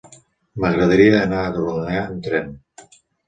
M'agradaria anar a Rodonyà amb tren.